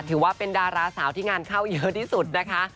ถือว่าเป็นดาราสาวที่งานเข้าเยอะที่สุดนะคะ